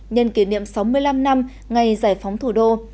nhân kỷ niệm sáu mươi năm năm ngày giải phóng thủ đô